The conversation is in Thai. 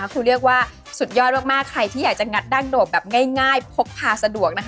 คือเรียกว่าสุดยอดมากใครที่อยากจะงัดดั้งโดบแบบง่ายพกพาสะดวกนะคะ